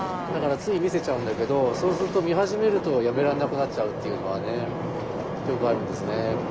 だからつい見せちゃうんだけどそうすると見始めるとやめられなくなっちゃうっていうのはねよくあるんですね。